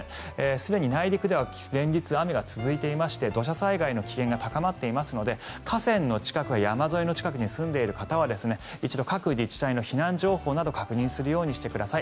すでに内陸では連日雨が続いていまして土砂災害の危険が高まっていますので河川の近くや山沿いの近くに住んでいる方は一度各自治体の避難情報を確認するようにしてください。